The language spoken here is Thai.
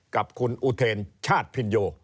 กับคุณอุเทรนชาติพินโย